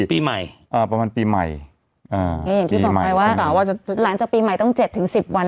ปีใหม่เออประมาณปีใหม่เออปีใหม่หลังจากปีใหม่ต้องเจ็ดถึงสิบวัน